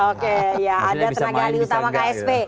oke ya ada tenaga alih utama ksp